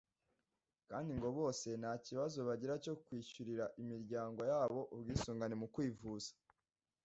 kandi ngo bose nta kibazo bagira cyo kwishyurira imiryango yabo ubwisungane mu kwivuza